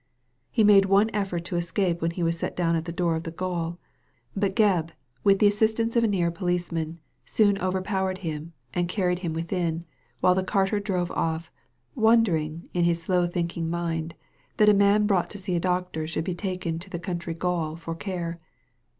He made one effort to escape when he was set down at the door of the gaol ; but Gebb, with the assistance of a near policeman, soon overpowered him, and carried him within, while the carter drove off, wondering, in his slow thinking mind, that a man brought to see a doctor should be taken to the county gaol for care.